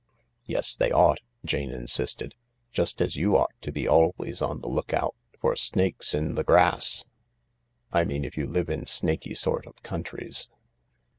" Yes, they ought," Jane insisted ;" just as you ought to be always on the lookout for snakes in the grass — I mean if you live in snaky sort of countries.